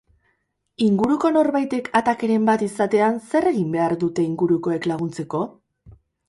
Inguruko norbaitek atakeren bat izatean, zer egin behar dute ingurukoek laguntzeko?